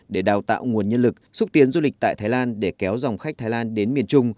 để đào tạo nguồn nhân lực xúc tiến du lịch tại thái lan để kéo dòng khách thái lan đến miền trung